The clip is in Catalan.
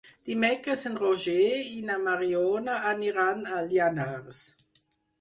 Dimecres en Roger i na Mariona aniran a Llanars.